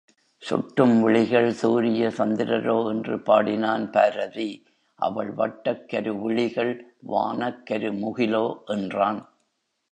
சுட்டும் விழிகள் சூரிய சந்திரரோ என்று பாடினான் பாரதி அவள் வட்டக் கரு விழிகள் வானக் கருமுகிலோ என்றான்.